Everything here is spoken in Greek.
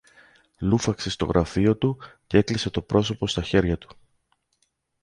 λούφαξε στο γραφείο του και έκλεισε το πρόσωπο στα χέρια του